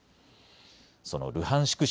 そのルハンシク